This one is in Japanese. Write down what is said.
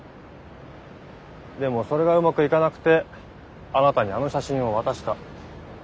でもそれがうまくいかなくてあなたにあの写真を渡した。